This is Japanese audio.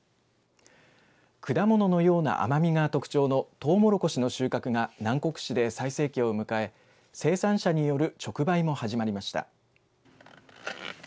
果物のような甘みが特徴のとうもろこしの収穫が南国市で最盛期を迎え生産者による直売も始まりました。